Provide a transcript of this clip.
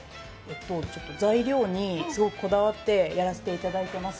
材料にすごくこだわってやらせていただいてます。